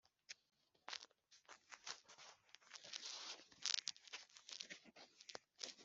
dushobora kuvuga dushize amanga kandi tukegera Imana